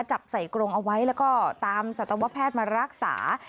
จับใส่กรงเอาไว้แล้วก็ตามสัตวแพทย์มารักษา